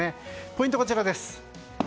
ポイントはこちらです。